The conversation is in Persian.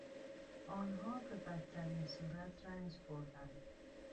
آنها به بدترین صورت رنج بردند.